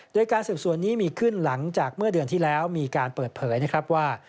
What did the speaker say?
โดยการสืบสวนนี้มีขึ้นหลังจากเมื่อเดือนที่แล้วมีการเปิดเผยนะครับว่า